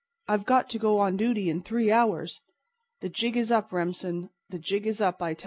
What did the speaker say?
I've got to go on duty in three hours. The jig is up, Remsen. The jig is up, I tell you."